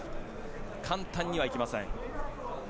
簡単にはいきません。